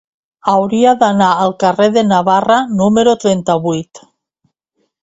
Hauria d'anar al carrer de Navarra número trenta-vuit.